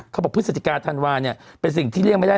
เขาบอกพฤศจิกาธรรมาเนี่ยเป็นสิ่งที่เรียกไม่ได้